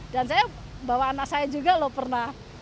dan saya bawa anak saya juga loh pernah